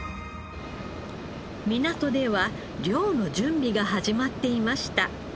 港では漁の準備が始まっていました。